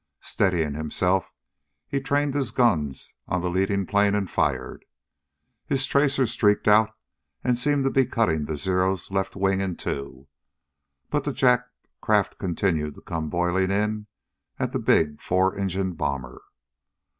Steadying himself, he trained his guns on the leading plane and fired. His tracers streaked out and seemed to be cutting the Zero's left wing in two, but the Jap craft continued to come boiling in at the big four engined bomber.